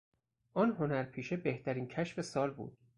آن هنرپیشه بهترین کشف سال بود.